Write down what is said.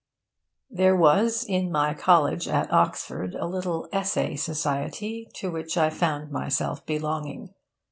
There was in my college at Oxford a little 'Essay Society,' to which I found myself belonging.